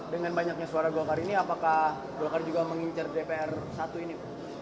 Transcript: dengan banyaknya suara golkar ini apakah golkar juga mengincar dpr satu ini